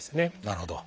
なるほど。